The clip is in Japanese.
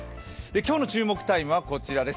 今日の注目タイムはこちらです。